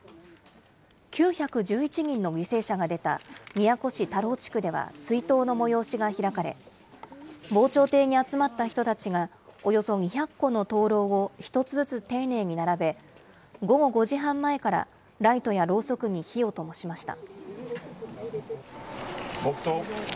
９１１人の犠牲者が出た宮古市田老地区では追悼の催しが開かれ、防潮堤に集まった人たちが、およそ２００個の灯籠を１つずつ丁寧に並べ、午後５時半前から、ライトやろうそくに火をともしました。